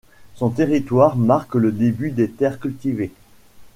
Son territoire marque le début des terres cultivées.